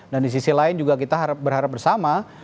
di sisi lain juga kita berharap bersama